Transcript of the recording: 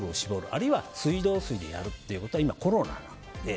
あるいは水道水でやるということは今コロナなので。